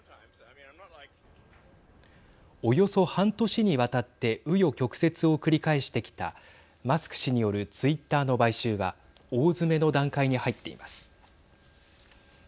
およそ半年にわたってう余曲折を繰り返してきたマスク氏によるツイッターの買収は大詰めの段階に入っています。